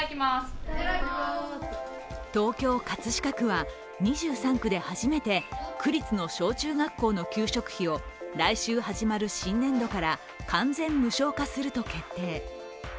東京・葛飾区は２３区で初めて区立の小中学校の給食費を来週始まる新年度から完全無償化すると決定。